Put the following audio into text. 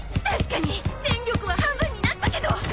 確かに戦力は半分になったけど。